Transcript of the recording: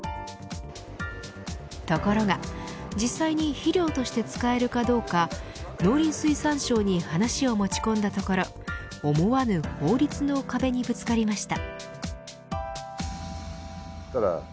ところが実際に肥料として使えるかどうか農林水産省に話を持ち込んだところ思わぬ法律の壁にぶつかりました。